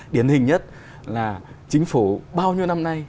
điển hình nhất là chính phủ bao nhiêu năm nay